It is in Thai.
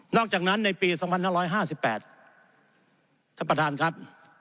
อกจากนั้นในปี๒๕๕๘ท่านประธานครับ